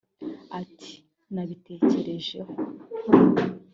Ati “Nabitekerejeho